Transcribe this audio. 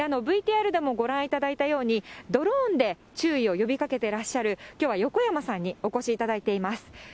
ＶＴＲでもご覧いただいたように、ドローンで注意を呼びかけていらっしゃるきょうは横山さんにお越しいただいています。